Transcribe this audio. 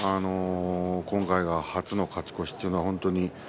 今回が初の勝ち越しというのは。